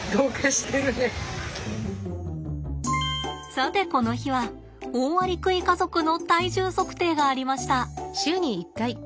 さてこの日はオオアリクイ家族の体重測定がありました。